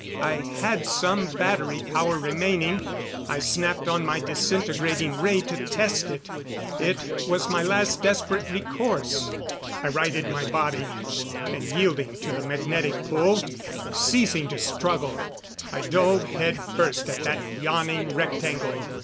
I had some battery power remaining; I snapped on my disintegrating ray to test it. It was my last desperate recourse. I righted my body, and yielding to the magnetic pull, ceasing to struggle, I dove head first at that yawning rectangle.